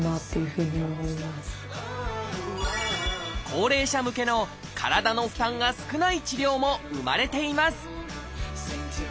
高齢者向けの体の負担が少ない治療も生まれています